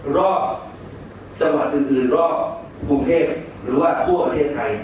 รอบจังหวัดอื่นรอบกรุงเทพหรือว่าทั่วประเทศไทย